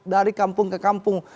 dari kampung ke kampung